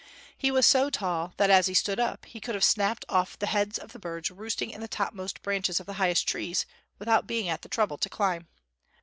He was so tall that, as he stood up, he could have snapped off the heads of the birds roosting in the topmost branches of the highest trees, without being at the trouble to climb.